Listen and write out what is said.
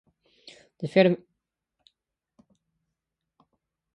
The film is an example of Ostern, set in Russian Civil War era Ukraine.